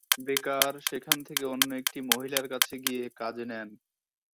বেকার সেখান থেকে অন্য একটি মহিলার কাছে গিয়ে কাজ নেন।